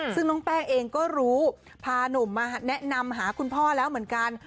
ซึ่งน้องแป้งเองก็รู้พาหนุ่มมาแนะนำหาคุณพ่อแล้วเหมือนกัน